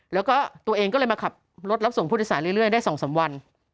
แล้วก็ตัวเองก็เลยมาขับรถรับส่งผู้โดยสารเรื่อยได้๒๓วัน